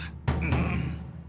うん。